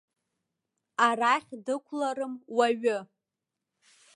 Арахь дықәларым уаҩы.